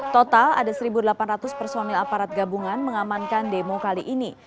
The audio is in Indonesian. total ada satu delapan ratus personil aparat gabungan mengamankan demo kali ini